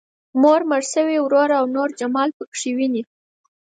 مور، مړ شوی ورور او نور جمال پکې ويني.